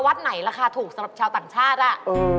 วัดไหนราคาถูกสำหรับชาวต่างชาติอ่ะ